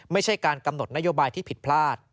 ไม่ใช่การกำหนดนโยบายที่ผิดพลาด